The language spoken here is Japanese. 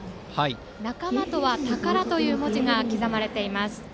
「仲間とは宝」という文字が刻まれています。